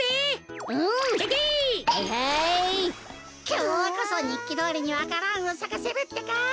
きょうこそにっきどおりにわか蘭をさかせるってか。